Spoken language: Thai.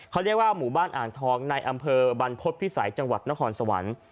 เขาเรียกว่าหมู่บ้านอ่างทองในอำเภอบรรพฤษภิษัยจังหวัดนครสวรรค์